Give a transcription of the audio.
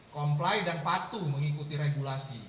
comply dan patuh mengikuti regulasi